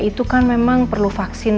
itu kan memang perlu vaksin